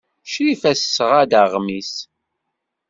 Crifa tesɣa-d aɣmis.